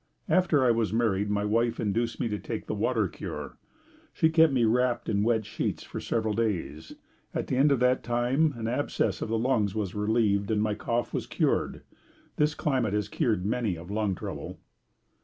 After I was married my wife induced me to take the water cure. She kept me wrapped in wet sheets for several days. At the end of that time an abscess of the lungs was relieved and my cough was cured. This climate has cured many of lung trouble.